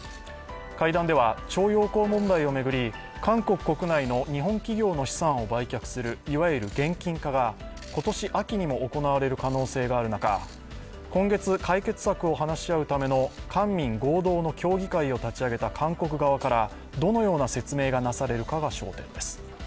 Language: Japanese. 会談では、徴用工問題を巡り、韓国国内の日本企業の資産を売却する、いわゆる現金化が今年秋にも行われる可能性がある中、今月、解決策を話し合うための官民合同の協議会を立ち上げた韓国側からどのような説明がなされるかが焦点です。